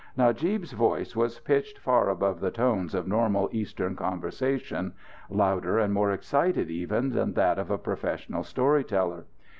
Najib's voice was pitched far above the tones of normal Eastern conversation; louder and more excited even than that of a professional story teller.